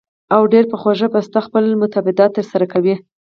او ډېره پۀ خوږه پسته خپل مفادات تر سره کوي